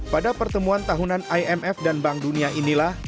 pada pertemuan tahunan imf dan bank dunia inilah